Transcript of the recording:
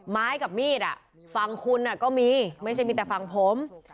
ไม้กับมีดฝั่งคุณก็มีไม่ใช่มีแต่ฝั่งผม